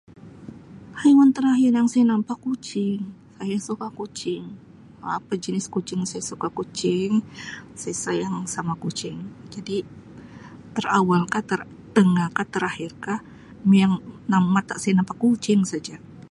Haiwan terakhir yang saya nampak kucing. Saya suka kucing Um apa jenis kucing saya suka kucing. Saya sama kucing jadi terawal ka, tertengah ka, terakhir ka memang mata saya nampak kucing saja.